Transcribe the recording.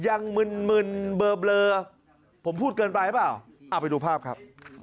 มึนมึนเบลอผมพูดเกินไปหรือเปล่าเอาไปดูภาพครับ